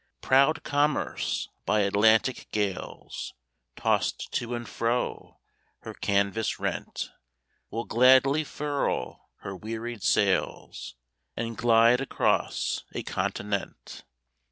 Proud commerce, by Atlantic gales Tossed to and fro, her canvas rent Will gladly furl her wearied sails, And glide across a continent.